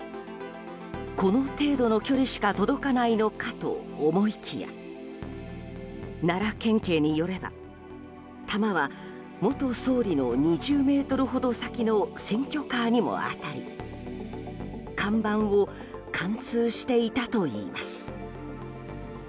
この程度の距離しか届かないのかと思いきや奈良県警によれば弾は元総理の２０ｍほど先の選挙カーにも当たり看板を貫通していたといいます。